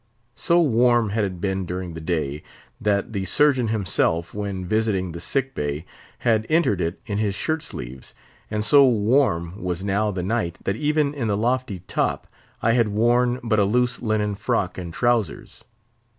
So warm had it been during the day, that the Surgeon himself, when visiting the sick bay, had entered it in his shirt sleeves; and so warm was now the night that even in the lofty top I had worn but a loose linen frock and trowsers.